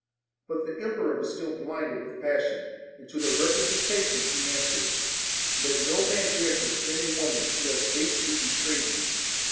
But the emperor was still blinded with passion, and to their repre sentations he answered: 'Let no man dare to defend a woman who has basely betrayed me.